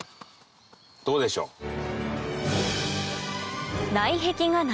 どうでしょう。